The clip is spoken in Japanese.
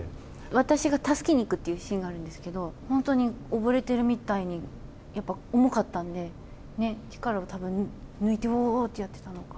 私が助けに行くっていうシーンがあるんですけど、本当に溺れてるみたいに、やっぱ重かったんで、ねっ、力をたぶん抜いて、うぉーってやってたのか。